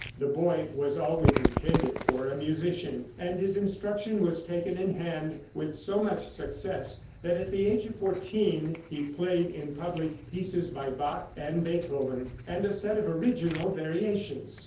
The boy was always intended for a musician, and his instruction was taken in hand with so much success that at the age of fourteen he played in public pieces by Bach and Beethoven, and a set of original variations.